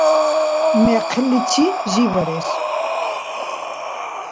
Мекъличи жибарес